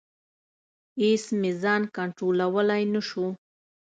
اېڅ مې ځان کنټرولولی نشو.